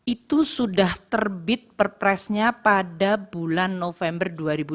itu sudah terbit perpresnya pada bulan november dua ribu dua puluh